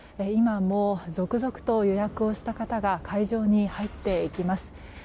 今も続々と予約をした方が会場に入っていきます。